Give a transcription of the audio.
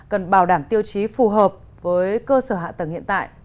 cần bảo đảm tiêu chí phù hợp với cơ sở hạ tầng hiện tại